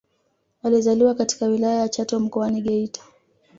Alizaliwa katika Wilaya ya Chato Mkoani Geita